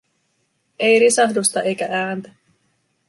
Ei risahdusta eikä ääntä.